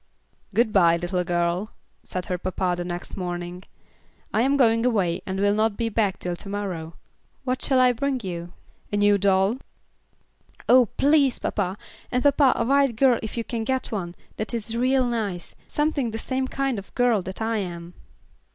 "Good bye, little girl," said her papa the next morning. "I am going away and will not be back till to morrow. What shall I bring you? A new doll?" "Oh, please, papa; and papa a white girl if you can get one that is real nice, something the same kind of girl that I am."